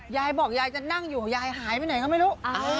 ยายบอกยายจะนั่งอยู่ยายหายไปไหนก็ไม่รู้